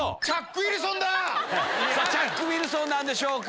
チャック・ウィルソンなんでしょうか？